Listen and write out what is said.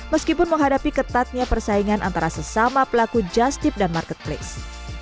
meskipun menghadapi ketatnya persaingan antara sesama pelaku justip dan marketplace